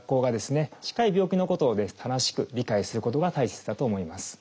しっかり病気のことを正しく理解することが大切だと思います。